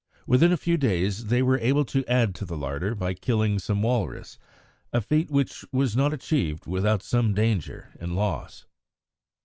Within a few days they were able to add to the larder by killing some walrus, a feat which was not achieved without some danger and loss.